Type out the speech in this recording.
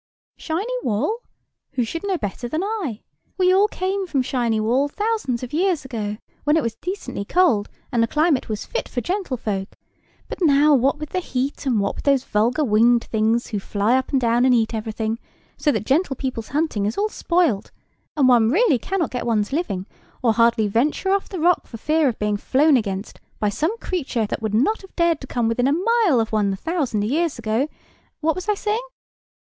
"Shiny Wall? Who should know better than I? We all came from Shiny Wall, thousands of years ago, when it was decently cold, and the climate was fit for gentlefolk; but now, what with the heat, and what with these vulgar winged things who fly up and down and eat everything, so that gentlepeople's hunting is all spoilt, and one really cannot get one's living, or hardly venture off the rock for fear of being flown against by some creature that would not have dared to come within a mile of one a thousand years ago—what was I saying?